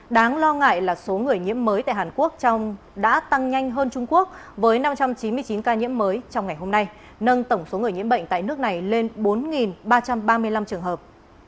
đáng lo ngại là số người nhiễm mới tại hàn quốc đã tăng nhanh hơn trung quốc với năm trăm chín mươi chín ca nhiễm mới trong ngày hôm nay nâng tổng số người nhiễm bệnh tại nước này lên bốn ba trăm ba mươi năm trường hợp